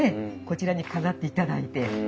こちらに飾っていただいて。